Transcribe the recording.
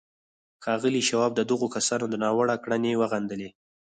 ښاغلي شواب د دغو کسانو دا ناوړه کړنې وغندلې.